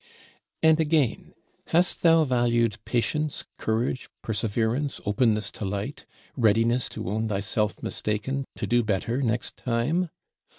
And again, hast thou valued Patience, Courage, Perseverance, Openness to light; readiness to own thyself mistaken, to do better next time?